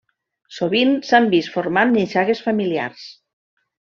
Sovint s'han vist formant nissagues familiars.